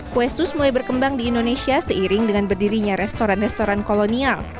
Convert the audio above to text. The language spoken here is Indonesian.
kue sus mulai berkembang di indonesia seiring dengan berdirinya restoran restoran kolonial